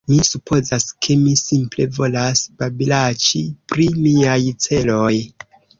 Mi supozas, ke mi simple volas babilaĉi pri miaj celoj.